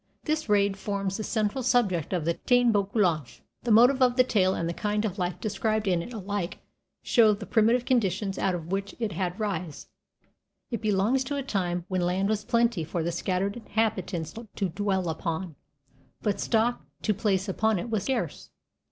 This raid forms the central subject of the Táin Bó Cúalnge. The motif of the tale and the kind of life described in it alike show the primitive conditions out of which it had its rise. It belongs to a time when land was plenty for the scattered inhabitants to dwell upon, but stock to place upon it was scarce.